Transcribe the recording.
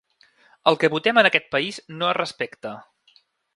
El que votem en aquest país no es respecta.